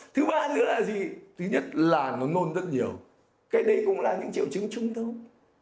thứ ba nữa là gì thứ nhất là nó nôn rất nhiều cái đấy cũng là những triệu chứng trung tâm